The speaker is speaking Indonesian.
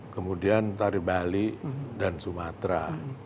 kemudian tari bali dan sumatera